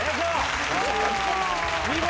見事！